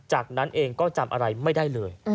จากนั้นเองก็จำอะไรไม่ได้เลย